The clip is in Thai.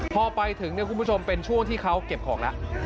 พอไปถึงคุณผู้ชมเป็นช่วงที่เขาเก็บของแล้ว